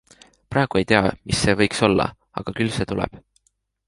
Praegu ei tea, mis see võiks olla, aga küll see tuleb.